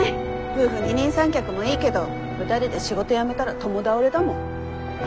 夫婦二人三脚もいいけど２人で仕事辞めたら共倒れだもん。